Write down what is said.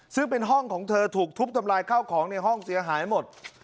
ซึ่งเป็นห้องของเธอถูกทุบทำลายข้าวของในห้องเสียหายหมด